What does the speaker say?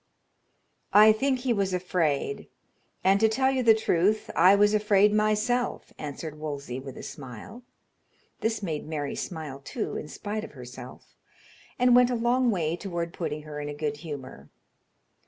"I think he was afraid; and, to tell you the truth, I was afraid myself," answered Wolsey, with a smile. This made Mary smile, too, in spite of herself, and went a long way toward putting her in a good humor.